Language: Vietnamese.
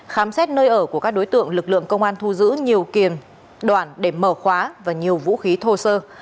khám xét nơi ở của các đối tượng lực lượng công an thu giữ nhiều kiềm đoạn để mở khóa và nhiều vũ khí thô sơ